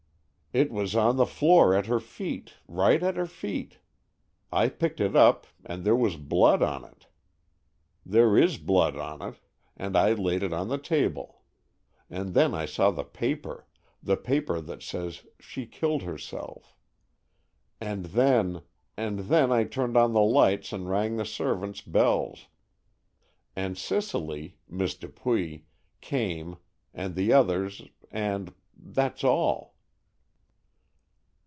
"It was on the floor at her feet—right at her feet. I picked it up, and there was blood on it—there is blood on it—and I laid it on the table. And then I saw the paper—the paper that says she killed herself. And then—and then I turned on the lights and rang the servants' bells, and Cicely—Miss Dupuy—came, and the others, and—that's all."